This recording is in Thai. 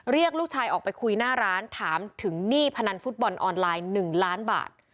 เรียกลูกชายออกไปคุยหน้าร้านถามถึงหนี้พนันฟุตบอลออนไลน์๑ล้านบาท